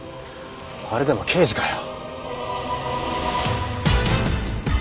あれでも刑事かよ。